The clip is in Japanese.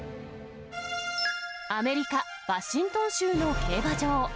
アメリカ・ワシントン州の競馬場。